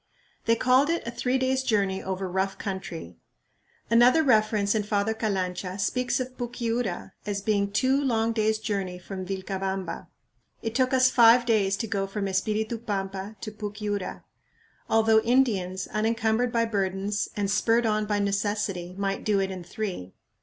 They called it a "three days' journey over rough country." Another reference in Father Calancha speaks of Puquiura as being "two long days' journey from Vilcabamba." It took us five days to go from Espiritu Pampa to Pucyura, although Indians, unencumbered by burdens, and spurred on by necessity, might do it in three.